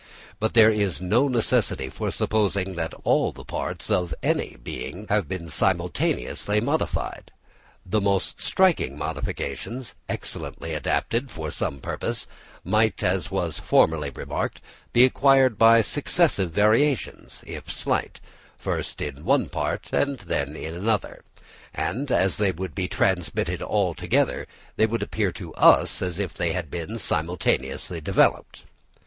But there is no necessity for supposing that all the parts of any being have been simultaneously modified. The most striking modifications, excellently adapted for some purpose, might, as was formerly remarked, be acquired by successive variations, if slight, first in one part and then in another; and as they would be transmitted all together, they would appear to us as if they had been simultaneously developed.